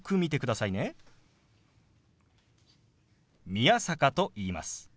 宮坂と言います。